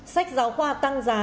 sách giáo khoa tăng giá